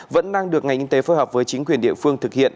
vẫn đang được ngành y tế phối hợp với chính quyền địa phương thực hiện